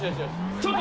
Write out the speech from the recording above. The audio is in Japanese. ちょっと。